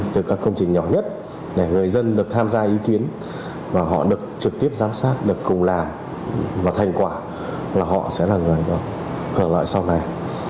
từ các công trình nhỏ nhất để người dân được tham gia ý kiến và họ được trực tiếp giám sát được cùng làm và thành quả là họ sẽ là người được hưởng lợi sau này